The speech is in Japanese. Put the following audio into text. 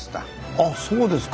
あっそうですか。